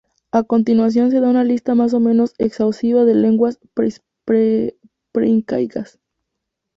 A continuación se da una lista más o menos exhaustiva de lenguas preincaicas.